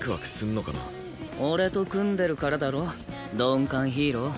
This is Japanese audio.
俺と組んでるからだろ鈍感ヒーロー。